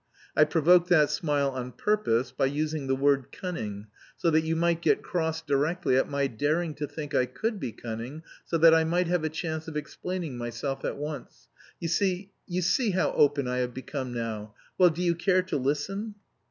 I provoked that smile on purpose by using the word 'cunning,' so that you might get cross directly at my daring to think I could be cunning, so that I might have a chance of explaining myself at once. You see, you see how open I have become now! Well, do you care to listen?"